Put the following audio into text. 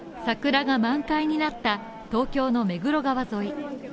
桜が満開になった東京の目黒川沿い。